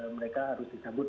mereka harus dicabut